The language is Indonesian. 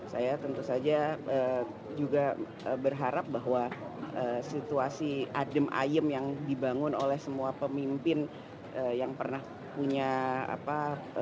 saya tentu saja juga berharap bahwa situasi adem ayem yang dibangun oleh semua pemimpin yang pernah punya apa